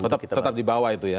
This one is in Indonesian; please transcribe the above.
tetap dibawa itu ya